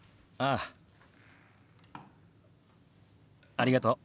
ありがとう。